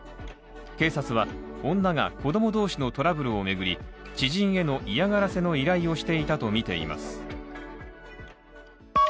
警察は女が子供同士のトラブルを巡り、知人への嫌がらせの依頼をしていたと見ています。